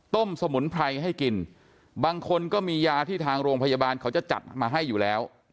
สมุนไพรให้กินบางคนก็มียาที่ทางโรงพยาบาลเขาจะจัดมาให้อยู่แล้ว